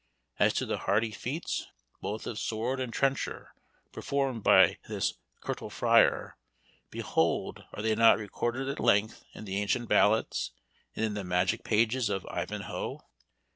As to the hardy feats, both of sword and trencher, performed by this "curtal fryar," behold are they not recorded at length in the ancient ballads, and in the magic pages of Ivanhoe?